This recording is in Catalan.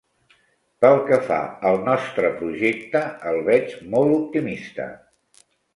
Pel que fa al nostre projecte, el veig molt optimista.